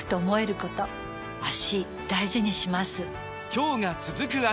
今日が、続く脚。